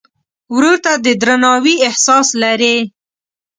ورور ته د درناوي احساس لرې.